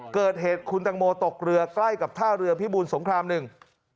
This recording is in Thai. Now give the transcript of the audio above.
เกิดเหตุคุณตังโมตกเรือใกล้กับท่าเรือพิบูรสงครามหนึ่ง